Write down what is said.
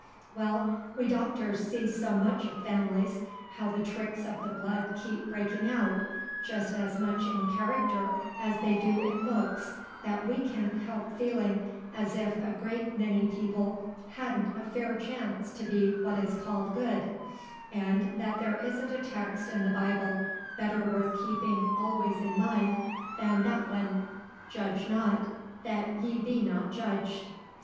Well, we doctors see so much of families, how the tricks of the blood keep breaking out, just as much in character as they do in looks, that we can't help feeling as if a great many people hadn't a fair chance to be what is called 'good,' and that there isn't a text in the Bible better worth keeping always in mind than that one, 'Judge not, that ye be not judged.'